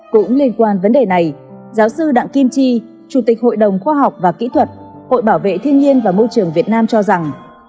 cũng liên quan vấn đề này giáo sư đặng kim chi chủ tịch hội đồng khoa học và kỹ thuật hội bảo vệ thiên nhiên và môi trường việt nam cho rằng